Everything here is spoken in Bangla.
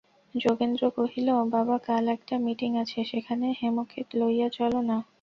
যোগেন্দ্র কহিল, বাবা, কাল একটা মিটিঙ আছে, সেখানে হেমকে লইয়া চলো-না।